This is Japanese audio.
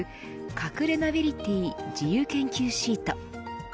かくれナビリティ自由研究シート。